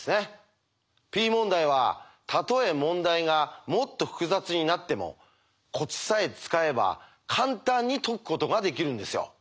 Ｐ問題はたとえ問題がもっと複雑になってもコツさえ使えば簡単に解くことができるんですよ。